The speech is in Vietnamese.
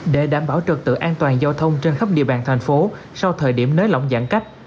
để đảm bảo trật tự an toàn giao thông trên khắp địa bàn thành phố sau thời điểm nới lỏng giãn cách